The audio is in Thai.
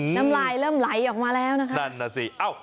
น้ำลายเริ่มไหลออกมาแล้วนะครับโอ้โหนั่นสิเอ้า